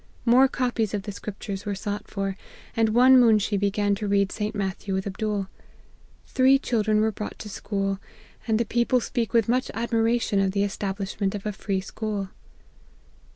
More copies of the scriptures were sought for ; and one moonshee began to read St. Matthew with Abdool. Three children were brought to school, and the people speak with much admiration of the establishment of a free school.